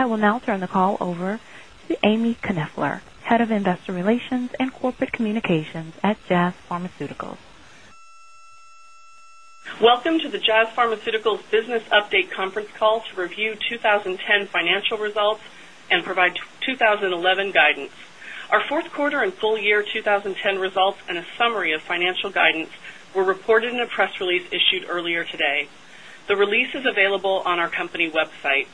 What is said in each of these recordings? I will now turn the call over to Ami Knoefler, Head of Investor Relations and Corporate Communications at Jazz Pharmaceuticals. Welcome to the Jazz Pharmaceuticals Business Update conference call to review 2010 financial results and provide 2011 guidance. Our Q4 and full year 2010 results and a summary of financial guidance were reported in a press release issued earlier today. The release is available on our company website.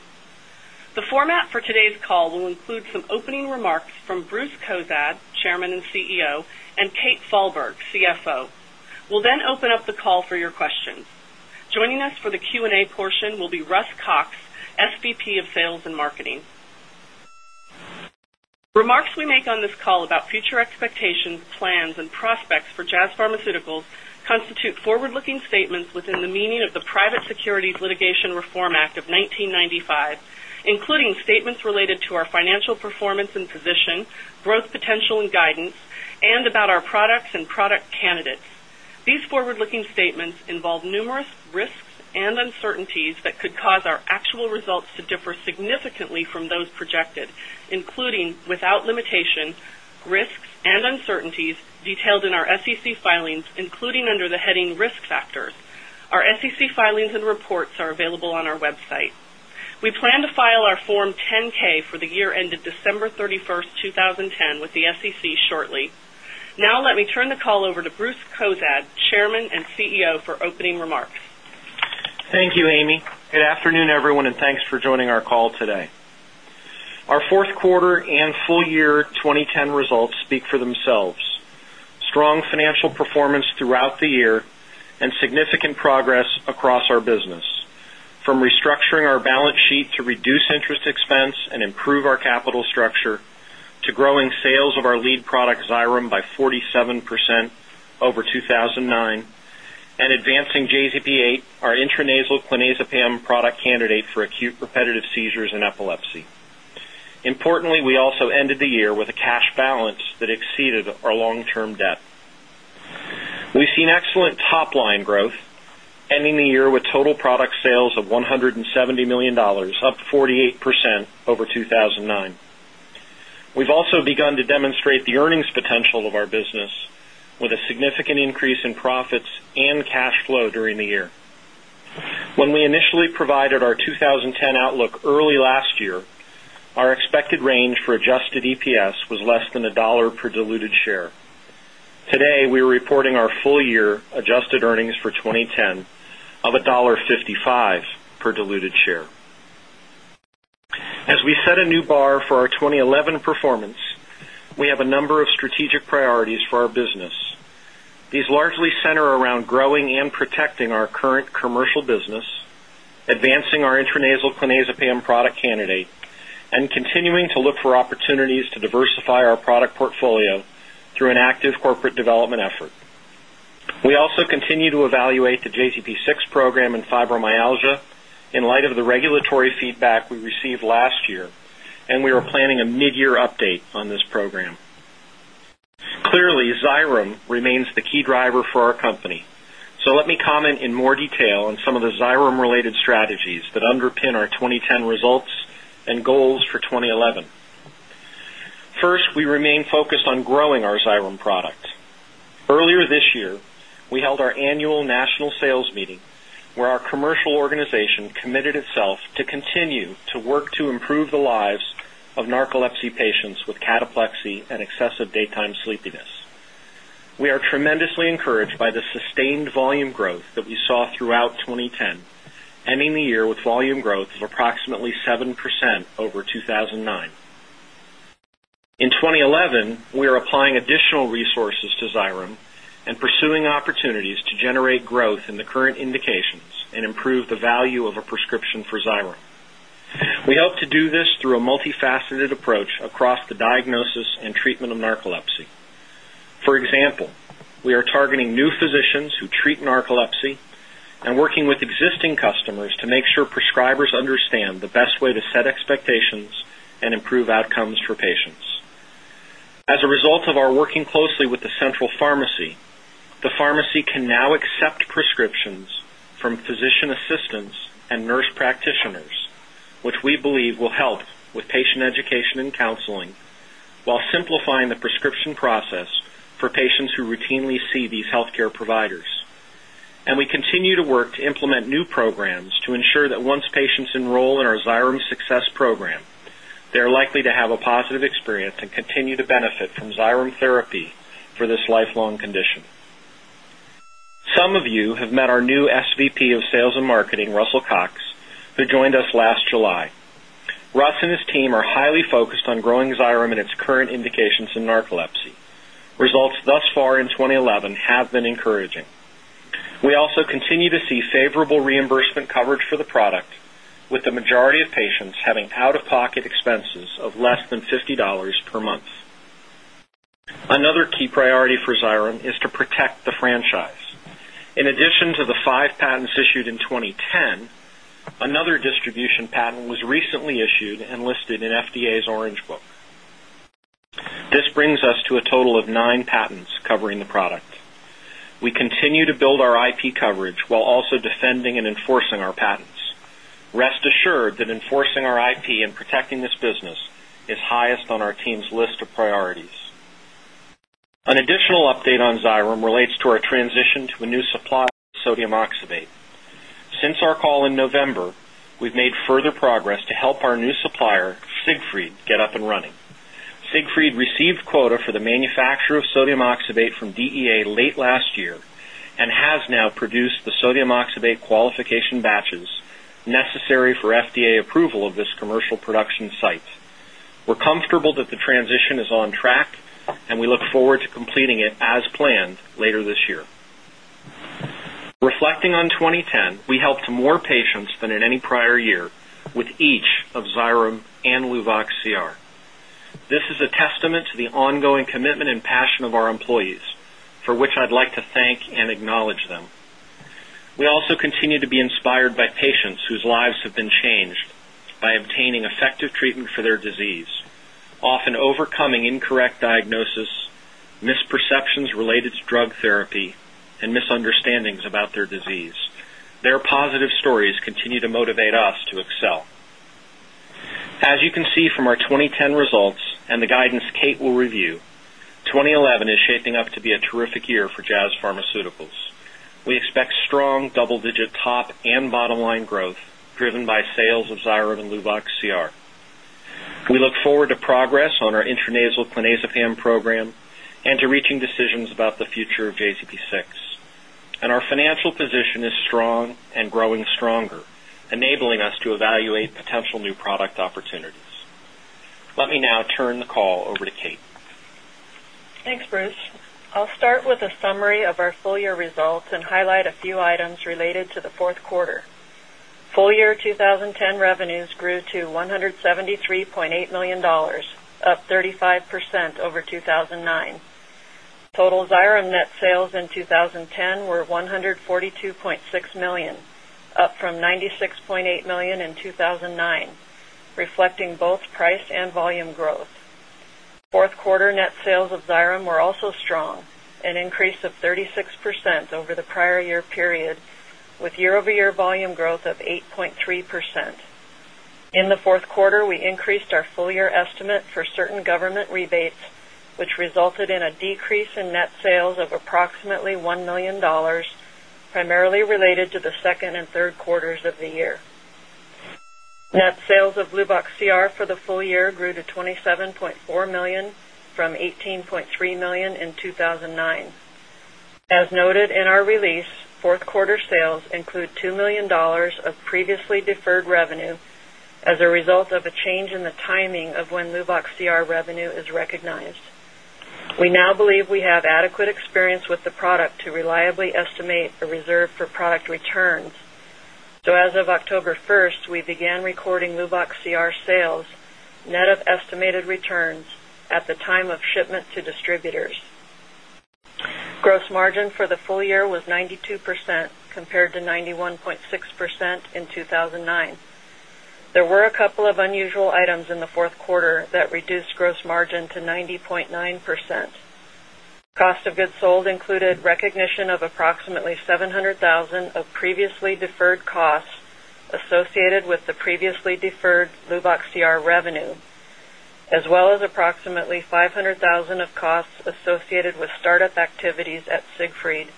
The format for today's call will include some opening remarks from Bruce Cozadd, Chairman and CEO, and Kate Falberg, CFO. We'll then open up the call for your questions. Joining us for the Q&A portion will be Russ Cox, SVP of Sales and Marketing. Remarks we make on this call about future expectations, plans, and prospects for Jazz Pharmaceuticals constitute forward-looking statements within the meaning of the Private Securities Litigation Reform Act of 1995, including statements related to our financial performance and position, growth potential and guidance, and about our products and product candidates. These forward-looking statements involve numerous risks and uncertainties that could cause our actual results to differ significantly from those projected, including, without limitation, risks and uncertainties detailed in our SEC filings, including under the heading Risk Factors. Our SEC filings and reports are available on our website. We plan to file our Form 10-K for the year ended December 31, 2010 with the SEC shortly. Now let me turn the call over to Bruce Cozadd, Chairman and CEO, for opening remarks. Thank you, Ami. Good afternoon, everyone, and thanks for joining our call today. Our Q4 and full year 2010 results speak for themselves. Strong financial performance throughout the year and significant progress across our business, from restructuring our balance sheet to reduce interest expense and improve our capital structure to growing sales of our lead product, Xyrem, by 47% over 2009, and advancing JZP-8, our intranasal clonazepam product candidate for acute repetitive seizures and epilepsy. Importantly, we also ended the year with a cash balance that exceeded our long-term debt. We've seen excellent top-line growth, ending the year with total product sales of $170 million, up 48% over 2009. We've also begun to demonstrate the earnings potential of our business with a significant increase in profits and cash flow during the year. When we initially provided our 2010 outlook early last year, our expected range for adjusted EPS was less than $1 per diluted share. Today, we are reporting our full year adjusted earnings for 2010 of $1.55 per diluted share. As we set a new bar for our 2011 performance, we have a number of strategic priorities for our business. These largely center around growing and protecting our current commercial business, advancing our intranasal clonazepam product candidate, and continuing to look for opportunities to diversify our product portfolio through an active corporate development effort. We also continue to evaluate the JZP-6 program in fibromyalgia in light of the regulatory feedback we received last year, and we are planning a mid-year update on this program. Clearly, Xyrem remains the key driver for our company. Let me comment in more detail on some of the Xyrem-related strategies that underpin our 2010 results and goals for 2011. First, we remain focused on growing our Xyrem product. Earlier this year, we held our annual national sales meeting, where our commercial organization committed itself to continue to work to improve the lives of narcolepsy patients with cataplexy and excessive daytime sleepiness. We are tremendously encouraged by the sustained volume growth that we saw throughout 2010, ending the year with volume growth of approximately 7% over 2009. In 2011, we are applying additional resources to Xyrem and pursuing opportunities to generate growth in the current indications and improve the value of a prescription for Xyrem. We hope to do this through a multifaceted approach across the diagnosis and treatment of narcolepsy. For example, we are targeting new physicians who treat narcolepsy and working with existing customers to make sure prescribers understand the best way to set expectations and improve outcomes for patients. As a result of our working closely with the central pharmacy, the pharmacy can now accept prescriptions from physician assistants and nurse practitioners, which we believe will help with patient education and counseling while simplifying the prescription process for patients who routinely see these healthcare providers. We continue to work to implement new programs to ensure that once patients enroll in our Xyrem Success Program, they are likely to have a positive experience and continue to benefit from Xyrem therapy for this lifelong condition. Some of you have met our new SVP of Sales and Marketing, Russell Cox, who joined us last July. Russ and his team are highly focused on growing Xyrem in its current indications in narcolepsy. Results thus far in 2011 have been encouraging. We also continue to see favorable reimbursement coverage for the product, with the majority of patients having out-of-pocket expenses of less than $50 per month. Another key priority for Xyrem is to protect the franchise. In addition to the five patents issued in 2010, another distribution patent was recently issued and listed in FDA's Orange Book. This brings us to a total of nine patents covering the product. We continue to build our IP coverage while also defending and enforcing our patents. Rest assured that enforcing our IP and protecting this business is highest on our team's list of priorities. An additional update on Xyrem relates to our transition to a new supplier of sodium oxybate. Since our call in November, we've made further progress to help our new supplier, Siegfried, get up and running. Siegfried received quota for the manufacture of sodium oxybate from DEA late last year and has now produced the sodium oxybate qualification batches necessary for FDA approval of this commercial production site. We're comfortable that the transition is on track, and we look forward to completing it as planned later this year. Reflecting on 2010, we helped more patients than in any prior year with each of Xyrem and Luvox CR. This is a testament to the ongoing commitment and passion of our employees, for which I'd like to thank and acknowledge them. We also continue to be inspired by patients whose lives have been changed by obtaining effective treatment for their disease, often overcoming incorrect diagnosis, misperceptions related to drug therapy, and misunderstandings about their disease. Their positive stories continue to motivate us to excel. As you can see from our 2010 results and the guidance Kate will review, 2011 is shaping up to be a terrific year for Jazz Pharmaceuticals. We expect strong double-digit top and bottom-line growth driven by sales of Xyrem and Luvox CR. We look forward to progress on our intranasal clonazepam program and to reaching decisions about the future of JZP-6. Our financial position is strong and growing stronger, enabling us to evaluate potential new product opportunities. Let me now turn the call over to Kate. Thanks, Bruce. I'll start with a summary of our full year results and highlight a few items related to the Q4. Full year 2010 revenues grew to $173.8 million, up 35% over 2009. Total Xyrem net sales in 2010 were $142.6 million, up from $96.8 million in 2009, reflecting both price and volume growth. Q4 net sales of Xyrem were also strong, an increase of 36% over the prior year period, with year-over-year volume growth of 8.3%. In the Q4, we increased our full year estimate for certain government rebates, which resulted in a decrease in net sales of approximately $1 million, primarily related to the Q2 and Q3s of the year. Net sales of Luvox CR for the full year grew to $27.4 million from $18.3 million in 2009. As noted in our release, Q4 sales include $2 million of previously deferred revenue as a result of a change in the timing of when Luvox CR revenue is recognized. We now believe we have adequate experience with the product to reliably estimate a reserve for product returns. As of October first, we began recording Luvox CR sales net of estimated returns at the time of shipment to distributors. Gross margin for the full year was 92%, compared to 91.6% in 2009. There were a couple of unusual items in the Q4 that reduced gross margin to 90.9%. Cost of goods sold included recognition of approximately $700,000 of previously deferred costs associated with the previously deferred Luvox CR revenue, as well as approximately $500,000 of costs associated with startup activities at Siegfried,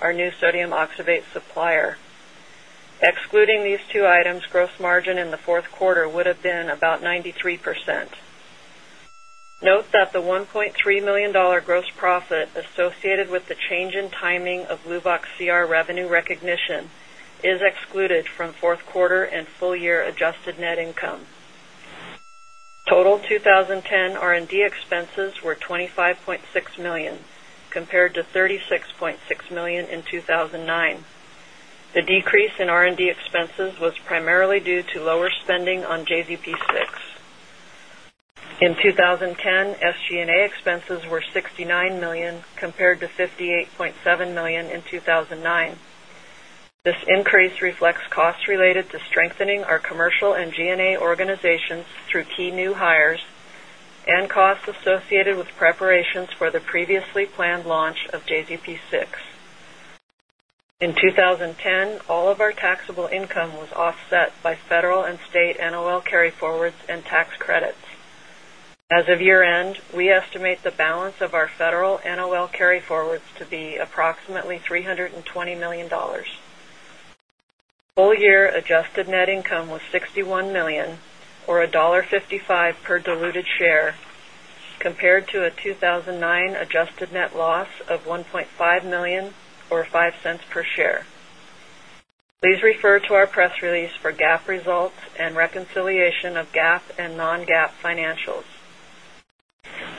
our new sodium oxybate supplier. Excluding these two items, gross margin in the Q4 would have been about 93%. Note that the $1.3 million gross profit associated with the change in timing of Luvox CR revenue recognition is excluded from Q4 and full year adjusted net income. Total 2010 R&D expenses were $25.6 million, compared to $36.6 million in 2009. The decrease in R&D expenses was primarily due to lower spending on JZP-6. In 2010, SG&A expenses were $69 million, compared to $58.7 million in 2009. This increase reflects costs related to strengthening our commercial and G&A organizations through key new hires and costs associated with preparations for the previously planned launch of JZP-6. In 2010, all of our taxable income was offset by federal and state NOL carryforwards and tax credits. As of year-end, we estimate the balance of our federal NOL carryforwards to be approximately $320 million. Full year adjusted net income was $61 million, or $1.55 per diluted share, compared to a 2009 adjusted net loss of $1.5 million, or $0.05 per share. Please refer to our press release for GAAP results and reconciliation of GAAP and non-GAAP financials.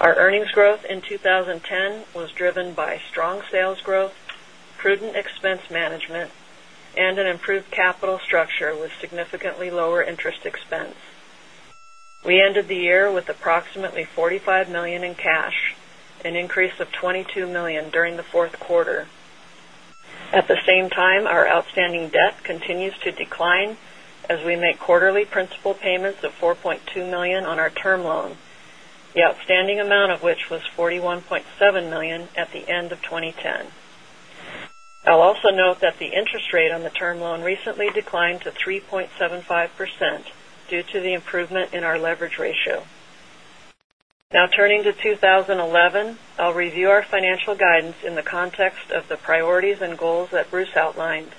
Our earnings growth in 2010 was driven by strong sales growth, prudent expense management, and an improved capital structure with significantly lower interest expense. We ended the year with approximately $45 million in cash, an increase of $22 million during the Q4. at the same time, our outstanding debt continues to decline as we make quarterly principal payments of $4.2 million on our term loan, the outstanding amount of which was $41.7 million at the end of 2010. I'll also note that the interest rate on the term loan recently declined to 3.75% due to the improvement in our leverage ratio. Now turning to 2011, I'll review our financial guidance in the context of the priorities and goals that Bruce outlined.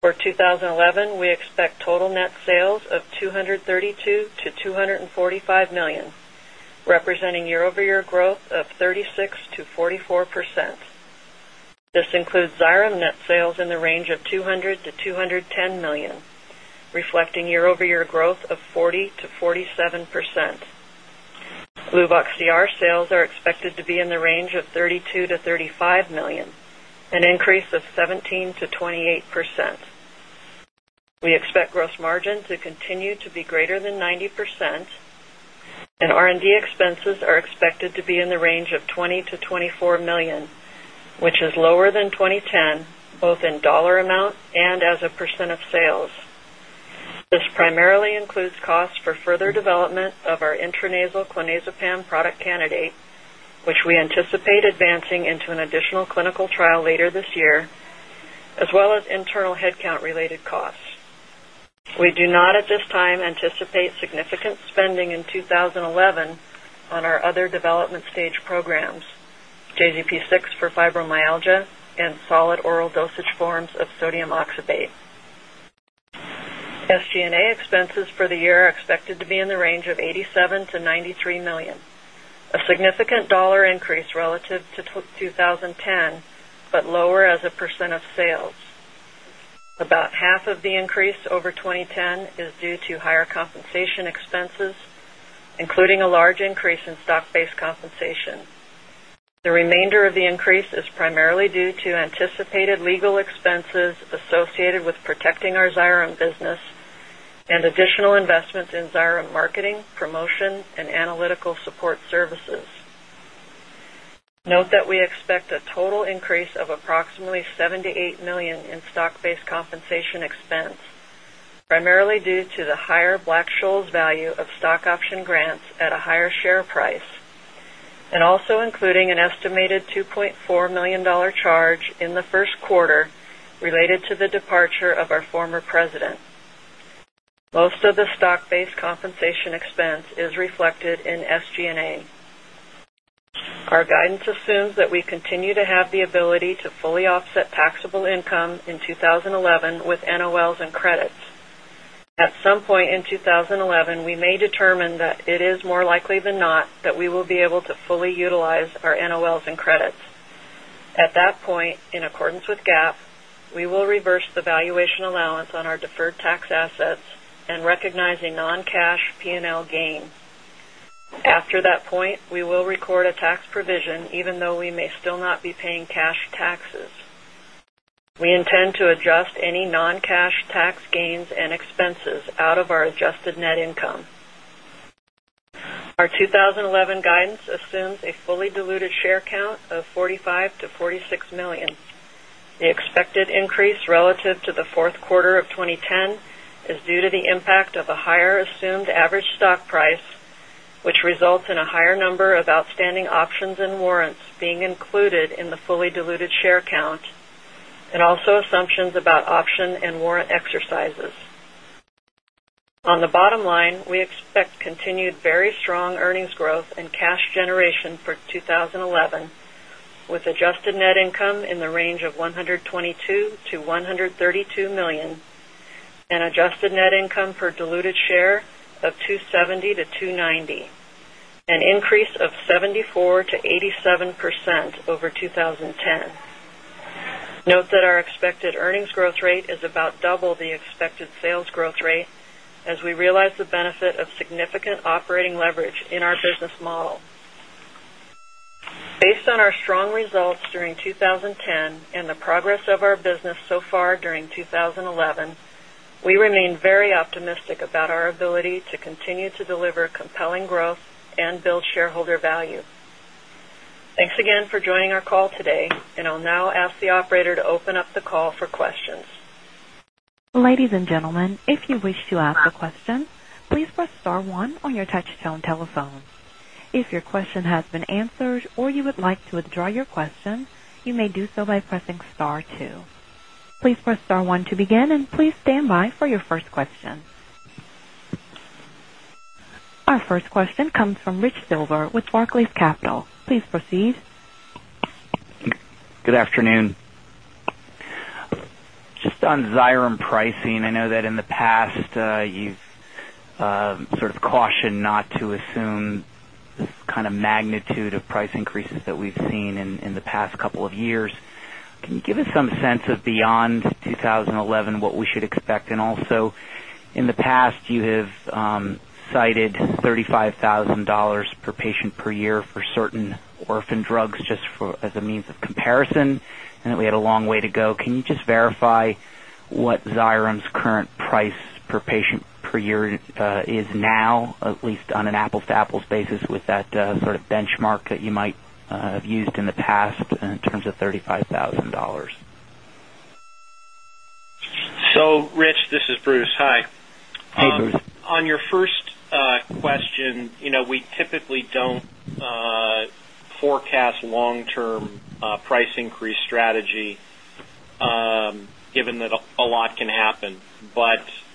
For 2011, we expect total net sales of $232 million-$245 million, representing year-over-year growth of 36%-44%. This includes Xyrem net sales in the range of $200-$210 million, reflecting year-over-year growth of 40%-47%. Luvox CR sales are expected to be in the range of $32-$35 million, an increase of 17%-28%. We expect gross margin to continue to be greater than 90%, and R&D expenses are expected to be in the range of $20-$24 million, which is lower than 2010, both in dollar amount and as a percent of sales. This primarily includes costs for further development of our intranasal clonazepam product candidate, which we anticipate advancing into an additional clinical trial later this year, as well as internal headcount-related costs. We do not at this time anticipate significant spending in 2011 on our other development stage programs, JZP-6 for fibromyalgia and solid oral dosage forms of sodium oxybate. SG&A expenses for the year are expected to be in the range of $87 million-$93 million, a significant dollar increase relative to 2010, but lower as a percentage of sales. About half of the increase over 2010 is due to higher compensation expenses, including a large increase in stock-based compensation. The remainder of the increase is primarily due to anticipated legal expenses associated with protecting our Xyrem business and additional investments in Xyrem marketing, promotion, and analytical support services. Note that we expect a total increase of approximately $78 million in stock-based compensation expense, primarily due to the higher Black-Scholes value of stock option grants at a higher share price and also including an estimated $2.4 million charge in the Q1 related to the departure of our former president. Most of the stock-based compensation expense is reflected in SG&A. Our guidance assumes that we continue to have the ability to fully offset taxable income in 2011 with NOLs and credits. At some point in 2011, we may determine that it is more likely than not that we will be able to fully utilize our NOLs and credits. At that point, in accordance with GAAP, we will reverse the valuation allowance on our deferred tax assets and recognize a non-cash P&L gain. After that point, we will record a tax provision even though we may still not be paying cash taxes. We intend to adjust any non-cash tax gains and expenses out of our adjusted net income. Our 2011 guidance assumes a fully diluted share count of $45 million-$46 million. The expected increase relative to the Q4 of 2010 is due to the impact of a higher assumed average stock price, which results in a higher number of outstanding options and warrants being included in the fully diluted share count and also assumptions about option and warrant exercises. On the bottom line, we expect continued very strong earnings growth and cash generation for 2011, with adjusted net income in the range of $122 million-$132 million and adjusted net income per diluted share of $2.70-$2.90, an increase of 74%-87% over 2010. Note that our expected earnings growth rate is about double the expected sales growth rate as we realize the benefit of significant operating leverage in our business model. Based on our strong results during 2010 and the progress of our business so far during 2011, we remain very optimistic about our ability to continue to deliver compelling growth and build shareholder value. Thanks again for joining our call today, and I'll now ask the operator to open up the call for questions. Ladies and gentlemen, if you wish to ask a question, please press star one on your touchtone telephone. If your question has been answered or you would like to withdraw your question, you may do so by pressing star two. Please press star one to begin, and please stand by for your first question. Our first question comes from Rich Silver with Barclays Capital. Please proceed. Good afternoon. Just on Xyrem pricing, I know that in the past, you've sort of cautioned not to assume this kind of magnitude of price increases that we've seen in the past couple of years. Can you give us some sense of beyond 2011 what we should expect? Also, in the past you have cited $35,000 per patient per year for certain orphan drugs just as a means of comparison and that we had a long way to go. Can you just verify what Xyrem's current price per patient per year is now, at least on an apples-to-apples basis with that sort of benchmark that you might have used in the past in terms of $35,000? Rich, this is Bruce. Hi. Hey, Bruce. On your first question, you know, we typically don't forecast long-term price increase strategy, given that a lot can happen.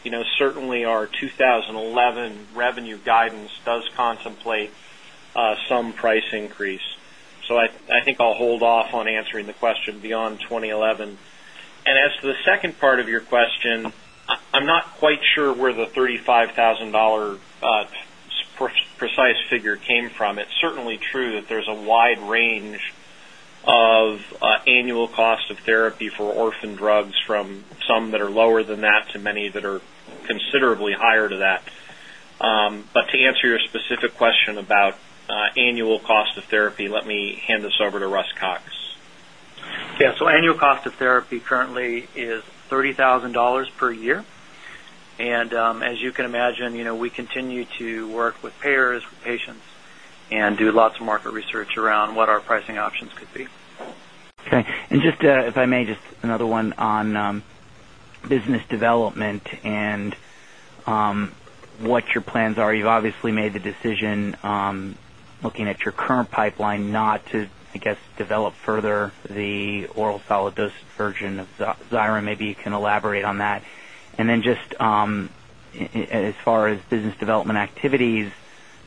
You know, certainly our 2011 revenue guidance does contemplate some price increase. I think I'll hold off on answering the question beyond 2011. As to the second part of your question, I'm not quite sure where the $35,000 per patient figure came from. It's certainly true that there's a wide range of annual cost of therapy for orphan drugs from some that are lower than that to many that are considerably higher than that. To answer your specific question about annual cost of therapy, let me hand this over to Russ Cox. Annual cost of therapy currently is $30,000 per year. As you can imagine, you know, we continue to work with payers, with patients, and do lots of market research around what our pricing options could be. Okay. If I may, just another one on business development and what your plans are. You've obviously made the decision, looking at your current pipeline, not to, I guess, develop further the oral solid dosage version of Xyrem. Maybe you can elaborate on that. Then just as far as business development activities,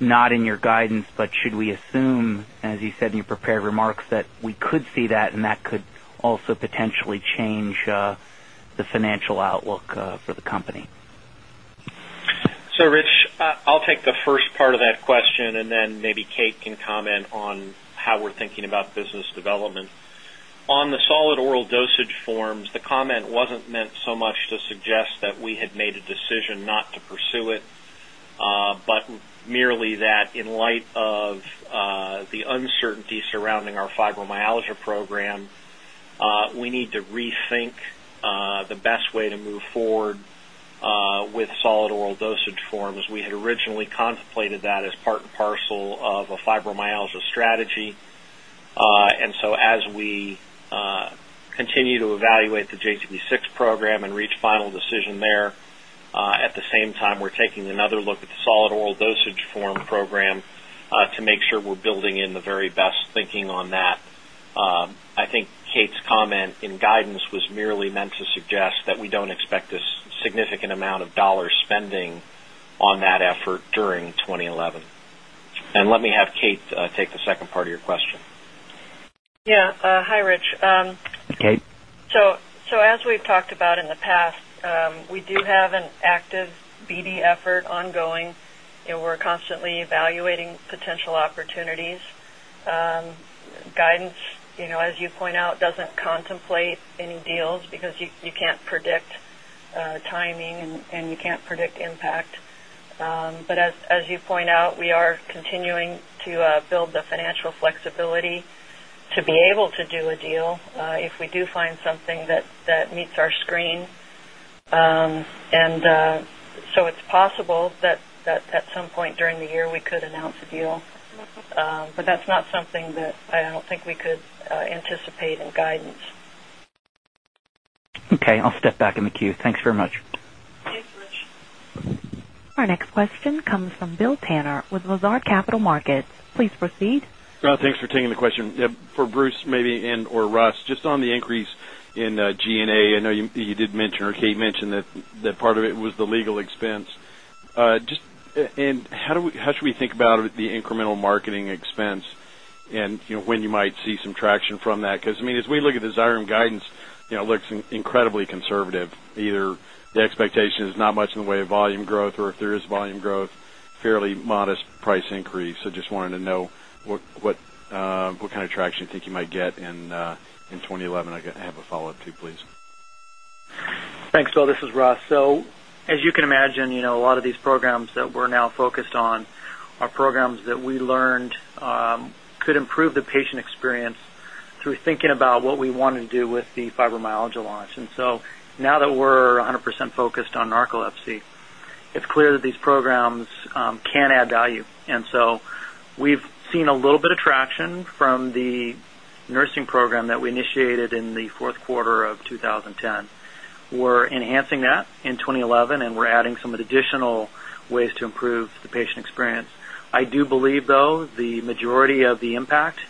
not in your guidance, but should we assume, as you said in your prepared remarks, that we could see that and that could also potentially change the financial outlook for the company? Rich, I'll take the first part of that question, and then maybe Kate can comment on how we're thinking about business development. On the solid oral dosage forms, the comment wasn't meant so much to suggest that we had made a decision not to pursue it, but merely that in light of the uncertainty surrounding our fibromyalgia program, we need to rethink the best way to move forward with solid oral dosage forms. We had originally contemplated that as part and parcel of a fibromyalgia strategy. As we continue to evaluate the JZP-6 program and reach final decision there, at the same time, we're taking another look at the solid oral dosage form program to make sure we're building in the very best thinking on that. I think Kate's comment in guidance was merely meant to suggest that we don't expect a significant amount of dollar spending on that effort during 2011. Let me have Kate take the second part of your question. Yeah. Hi, Rich. Kate. As we've talked about in the past, we do have an active BD effort ongoing, and we're constantly evaluating potential opportunities. Guidance, you know, as you point out, doesn't contemplate any deals because you can't predict timing and you can't predict impact. As you point out, we are continuing to build the financial flexibility to be able to do a deal if we do find something that meets our screen. It's possible that at some point during the year, we could announce a deal. That's not something that I don't think we could anticipate in guidance. Okay. I'll step back in the queue. Thanks very much. Thanks, Rich. Our next question comes from Bill Tanner with Lazard Capital Markets. Please proceed. Thanks for taking the question. Yeah, for Bruce maybe and/or Russ, just on the increase in G&A, I know you did mention or Kate mentioned that part of it was the legal expense. Just and how should we think about the incremental marketing expense and, you know, when you might see some traction from that? 'Cause, I mean, as we look at the Xyrem guidance, you know, it looks incredibly conservative. Either the expectation is not much in the way of volume growth or if there is volume growth, fairly modest price increase. Just wanted to know what kind of traction you think you might get in 2011. I have a follow-up too, please. Thanks. This is Russ. As you can imagine, you know, a lot of these programs that we're now focused on are programs that we learned could improve the patient experience through thinking about what we wanna do with the fibromyalgia launch. Now that we're 100% focused on narcolepsy, it's clear that these programs can add value. We've seen a little bit of traction from the nursing program that we initiated in the Q4 of 2010. We're enhancing that in 2011, and we're adding some additional ways to improve the patient experience. I do believe, though, the majority of the impact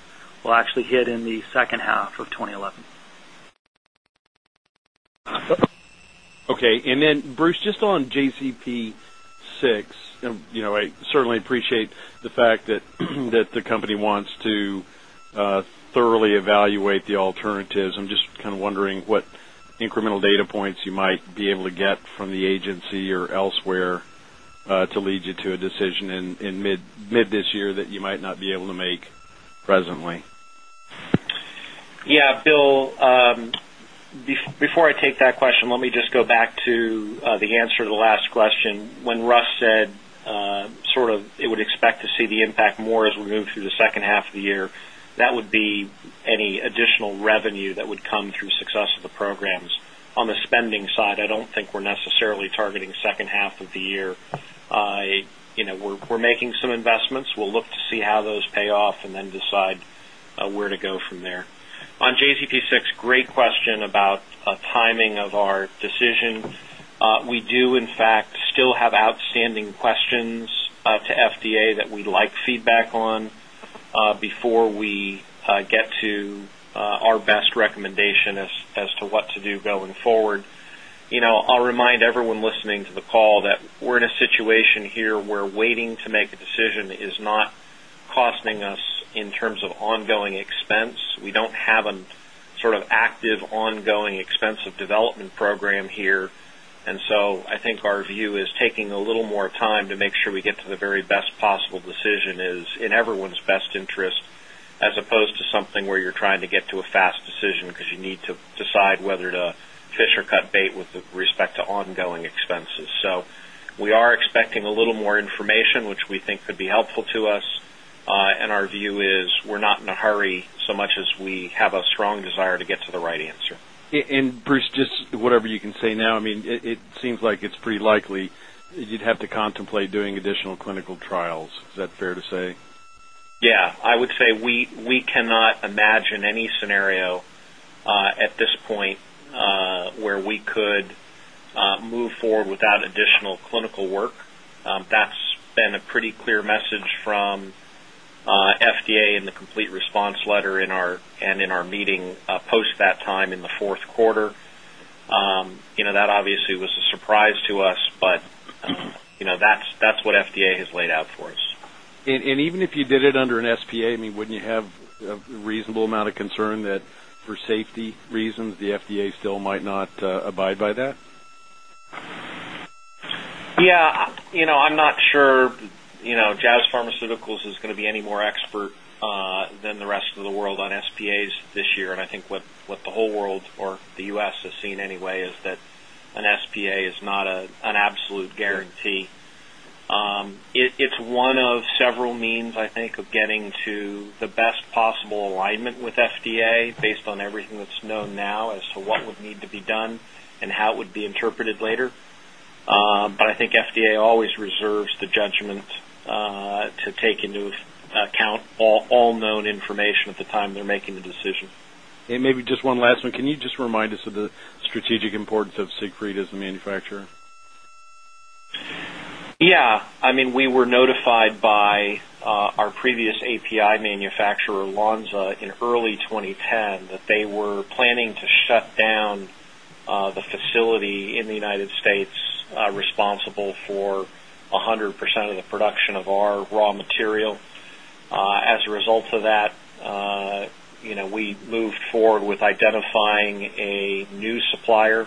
will actually hit in the H2 of 2011. Okay. Bruce, just on JZP-6, you know, I certainly appreciate the fact that the company wants to thoroughly evaluate the alternatives. I'm just kind of wondering what incremental data points you might be able to get from the agency or elsewhere, to lead you to a decision in mid this year that you might not be able to make presently. Yeah. Bill, before I take that question, let me just go back to the answer to the last question. When Russ said it would expect to see the impact more as we move through the H2 of the year. That would be any additional revenue that would come through the Success Program. On the spending side, I don't think we're necessarily targeting H2 of the year. You know, we're making some investments. We'll look to see how those pay off and then decide where to go from there. On JZP-6, great question about timing of our decision. We do in fact still have outstanding questions to FDA that we'd like feedback on before we get to our best recommendation as to what to do going forward. You know, I'll remind everyone listening to the call that we're in a situation here where waiting to make a decision is not costing us in terms of ongoing expense. We don't have a sort of active, ongoing, expensive development program here. I think our view is taking a little more time to make sure we get to the very best possible decision is in everyone's best interest as opposed to something where you're trying to get to a fast decision 'cause you need to decide whether to fish or cut bait with respect to ongoing expenses. We are expecting a little more information, which we think could be helpful to us. Our view is we're not in a hurry so much as we have a strong desire to get to the right answer. Bruce, just whatever you can say now, I mean, it seems like it's pretty likely you'd have to contemplate doing additional clinical trials. Is that fair to say? Yeah. I would say we cannot imagine any scenario at this point where we could move forward without additional clinical work. That's been a pretty clear message from FDA in the complete response letter and in our meeting post that time in the Q4. You know, that obviously was a surprise to us, but you know, that's what FDA has laid out for us. Even if you did it under an SPA, I mean, wouldn't you have a reasonable amount of concern that for safety reasons, the FDA still might not abide by that? Yeah. You know, I'm not sure, you know, Jazz Pharmaceuticals is gonna be any more expert than the rest of the world on SPAs this year. I think what the whole world or the U.S. has seen anyway is that an SPA is not an absolute guarantee. It's one of several means I think of getting to the best possible alignment with FDA based on everything that's known now as to what would need to be done and how it would be interpreted later. I think FDA always reserves the judgment to take into account all known information at the time they're making the decision. Maybe just one last one. Can you just remind us of the strategic importance of Siegfried as a manufacturer? Yeah. I mean, we were notified by our previous API manufacturer, Lonza, in early 2010 that they were planning to shut down the facility in the United States responsible for 100% of the production of our raw material. As a result of that, you know, we moved forward with identifying a new supplier.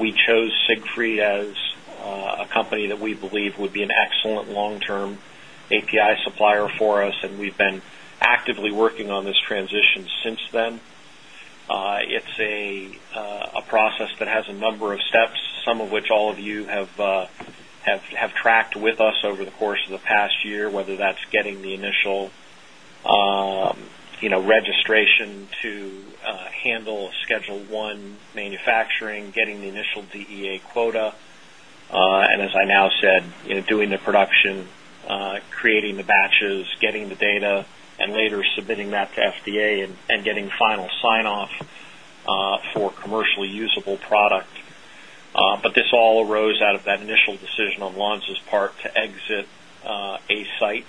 We chose Siegfried as a company that we believe would be an excellent long-term API supplier for us, and we've been actively working on this transition since then. It's a process that has a number of steps, some of which all of you have tracked with us over the course of the past year, whether that's getting the initial, you know, registration to handle Schedule I manufacturing, getting the initial DEA quota, and as I now said, you know, doing the production, creating the batches, getting the data, and later submitting that to FDA and getting final sign-off for commercially usable product. This all arose out of that initial decision on Lonza's part to exit a site.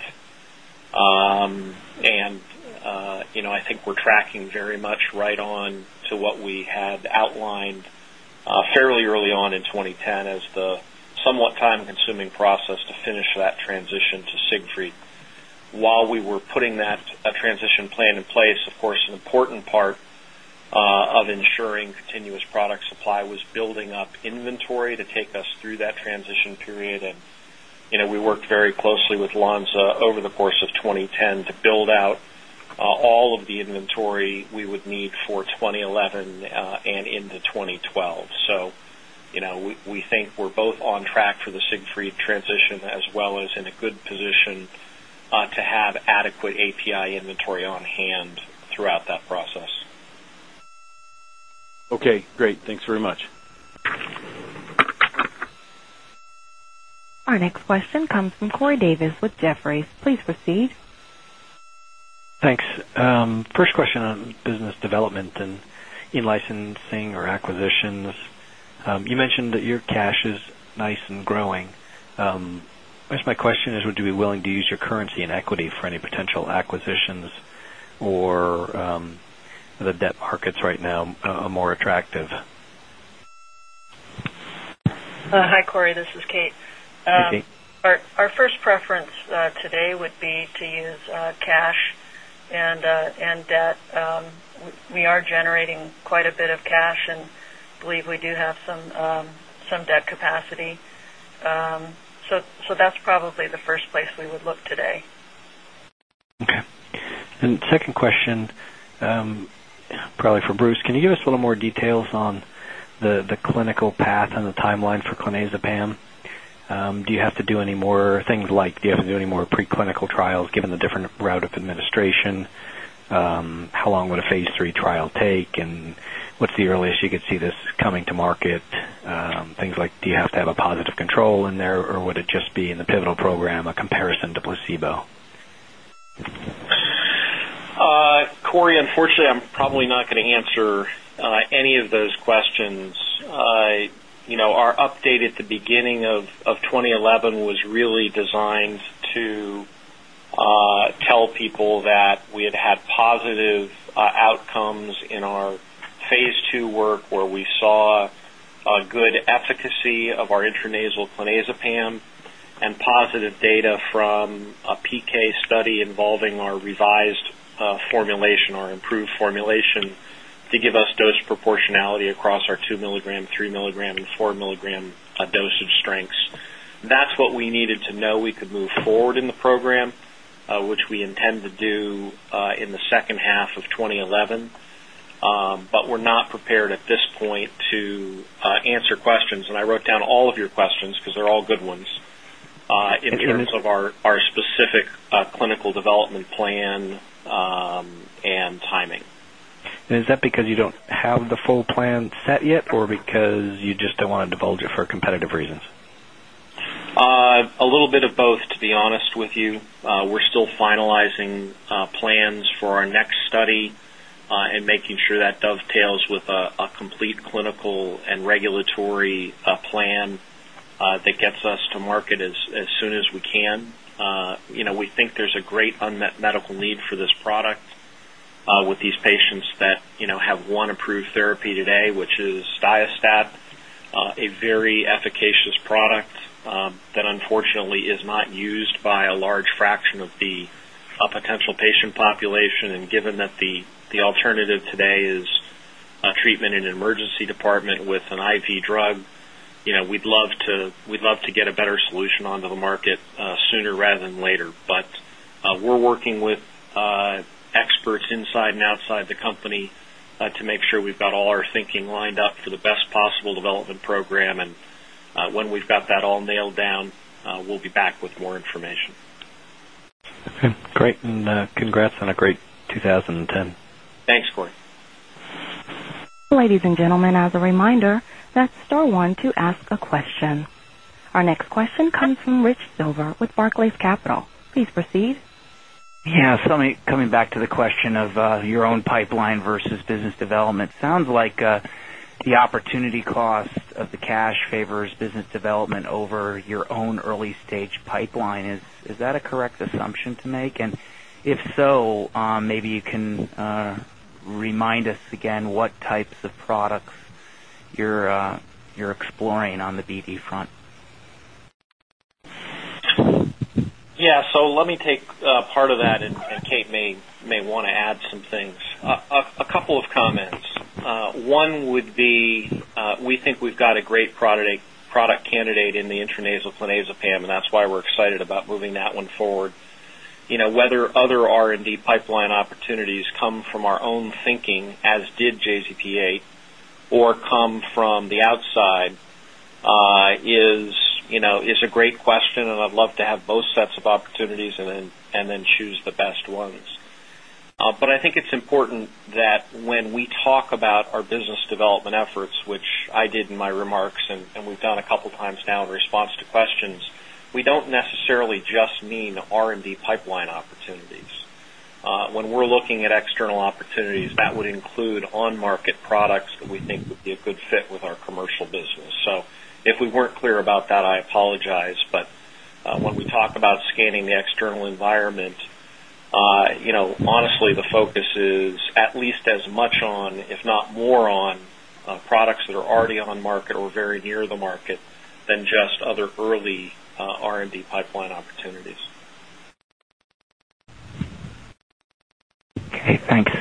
You know, I think we're tracking very much right on to what we had outlined fairly early on in 2010 as the somewhat time-consuming process to finish that transition to Siegfried. While we were putting that transition plan in place, of course, an important part of ensuring continuous product supply was building up inventory to take us through that transition period. You know, we worked very closely with Lonza over the course of 2010 to build out all of the inventory we would need for 2011 and into 2012. You know, we think we're both on track for the Siegfried transition as well as in a good position to have adequate API inventory on hand throughout that process. Okay, great. Thanks very much. Our next question comes from Corey Davis with Jefferies. Please proceed. Thanks. First question on business development and in licensing or acquisitions. You mentioned that your cash is nice and growing. I guess my question is, would you be willing to use your currency and equity for any potential acquisitions or, the debt markets right now are more attractive? Hi, Corey. This is Kate. Hi, Kate. Our first preference today would be to use cash and debt. We are generating quite a bit of cash and believe we do have some debt capacity. That's probably the first place we would look today. Second question, probably for Bruce. Can you give us a little more details on the clinical path and the timeline for clonazepam? Do you have to do any more things like do you have to do any more preclinical trials given the different route of administration? How long would a phase III trial take? What's the earliest you could see this coming to market? Things like, do you have to have a positive control in there, or would it just be in the pivotal program, a comparison to placebo? Corey, unfortunately, I'm probably not gonna answer any of those questions. You know, our update at the beginning of 2011 was really designed to tell people that we have had positive outcomes in our phase two work, where we saw a good efficacy of our intranasal clonazepam and positive data from a PK study involving our revised formulation or improved formulation to give us dose proportionality across our 2-milligram, 3-milligram, and 4-milligram dosage strengths. That's what we needed to know we could move forward in the program, which we intend to do in the H2 of 2011. We're not prepared at this point to answer questions. I wrote down all of your questions 'cause they're all good ones, in terms of our specific clinical development plan, and timing. Is that because you don't have the full plan set yet or because you just don't wanna divulge it for competitive reasons? A little bit of both, to be honest with you. We're still finalizing plans for our next study and making sure that dovetails with a complete clinical and regulatory plan that gets us to market as soon as we can. You know, we think there's a great unmet medical need for this product with these patients that, you know, have one approved therapy today, which is Diastat, a very efficacious product that unfortunately is not used by a large fraction of the potential patient population. Given that the alternative today is a treatment in an emergency department with an IV drug, you know, we'd love to get a better solution onto the market sooner rather than later. We're working with experts inside and outside the company to make sure we've got all our thinking lined up for the best possible development program. When we've got that all nailed down, we'll be back with more information. Okay, great. Congrats on a great 2010. Thanks, Corey. Ladies and gentlemen, as a reminder, that's star one to ask a question. Our next question comes from Rich Silver with Barclays Capital. Please proceed. Yeah. Coming back to the question of your own pipeline versus business development. Sounds like the opportunity cost of the cash favors business development over your own early stage pipeline. Is that a correct assumption to make? If so, maybe you can remind us again what types of products you're exploring on the BD front. Let me take part of that, and Kate may wanna add some things. A couple of comments. One would be, we think we've got a great product candidate in the intranasal clonazepam, and that's why we're excited about moving that one forward. You know, whether other R&D pipeline opportunities come from our own thinking, as did JZP-8, or come from the outside, is a great question, and I'd love to have both sets of opportunities and then choose the best ones. I think it's important that when we talk about our business development efforts, which I did in my remarks and we've done a couple times now in response to questions, we don't necessarily just mean R&D pipeline opportunities. When we're looking at external opportunities, that would include on-market products that we think would be a good fit with our commercial business. If we weren't clear about that, I apologize. When we talk about scanning the external environment, you know, honestly, the focus is at least as much on, if not more on, products that are already on market or very near the market than just other early, R&D pipeline opportunities. Okay, thanks.